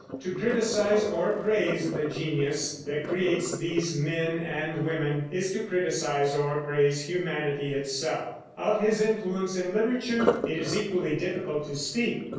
To criticise or praise the genius that creates these men and women is to criticise or praise humanity itself. Of his influence in literature it is equally difficult to speak.